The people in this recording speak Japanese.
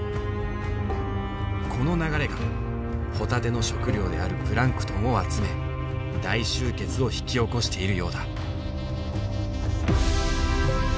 この流れがホタテの食料であるプランクトンを集め大集結を引き起こしているようだ。